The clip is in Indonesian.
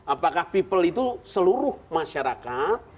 apakah people itu seluruh masyarakat